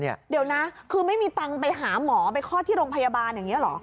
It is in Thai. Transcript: เดี๋ยวนะคือไม่มีตังค์ไปหาหมอไปคลอดที่โรงพยาบาลอย่างนี้เหรอ